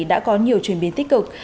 đã có nhiều chuyển biến tích cực